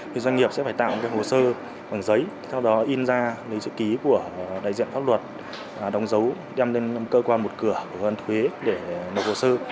thì doanh nghiệp sẽ phải tạo hồ sơ bằng giấy sau đó in ra lấy chữ ký của đại diện pháp luật đóng dấu đem lên cơ quan một cửa của cơ quan thuế để nộp hồ sơ